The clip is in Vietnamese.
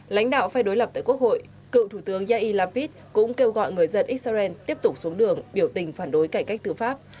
lãnh đạo phai đối lập tại quốc hội cựu thủ tướng yailapid cũng kêu gọi người dân israel tiếp tục xuống đường biểu tình phản đối cải cách tư pháp